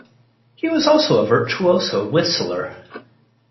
He was also a virtuoso whistler.